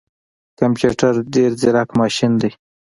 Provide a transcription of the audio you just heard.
کمپيوټر ډیر ځیرک ماشین دی